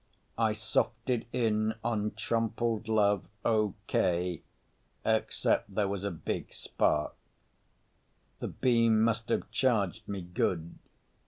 I softed in on Trompled Love okay, except there was a big spark. The beam must have charged me good.